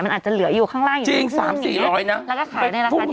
มันอาจจะเหลืออยู่ข้างล่างอยู่ที่ซึ่งแล้วก็ขายได้ละคราวที่สุด